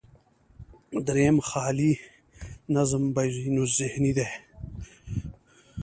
درېیم، خیالي نظم بینالذهني دی.